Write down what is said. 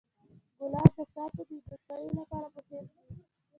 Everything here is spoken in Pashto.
ګلان د شاتو د مچیو لپاره مهم دي.